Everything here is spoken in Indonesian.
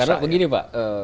karena begini pak